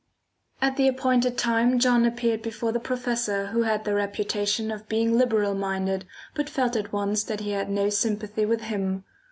At the appointed time John appeared before the professor, who had the reputation of being liberal minded, but felt at once that he had no sympathy with him.